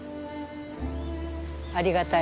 ありがたい。